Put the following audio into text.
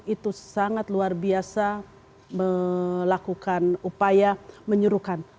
itu sangat luar biasa melakukan upaya menyerukan